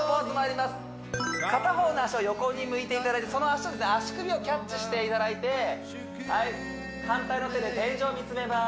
片方の足を横に向いていただいてその足首をキャッチしていただいてはい反対の手で天井見つめます